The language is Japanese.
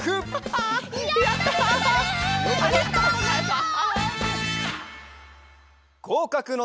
ありがとうございます！